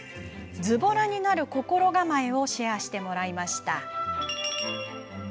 ズボラになる心構えをシェアしてもらいました。